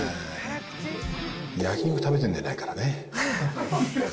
焼き肉食べてるんじゃないからね。